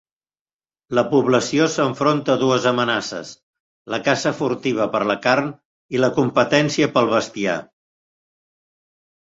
La població s'enfronta a dues amenaces: la caça furtiva per la carn i la competència pel bestiar.